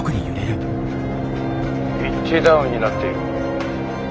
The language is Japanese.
ピッチダウンになっている。